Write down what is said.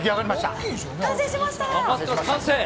完成しました。